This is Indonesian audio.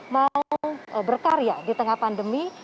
mau berkarya di tengah pandemi